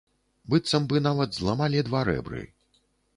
Быццам бы, нават зламалі два рэбры.